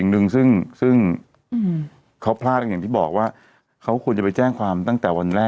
คือคือคือคือคือคือบอลด้วยที่พาเห็นร้องไห้เพราะมันต่อยอดใน